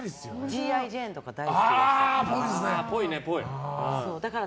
「Ｇ．Ｉ．ジェーン」とか大好き。